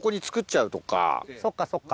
そっかそっか。